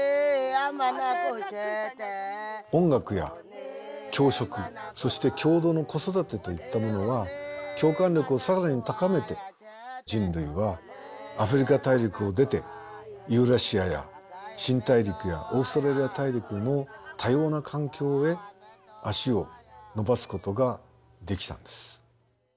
音楽や共食そして共同の子育てといったものは共感力を更に高めて人類はアフリカ大陸を出てユーラシアや新大陸やオーストラリア大陸の多様な環境へ足を延ばすことができたんです。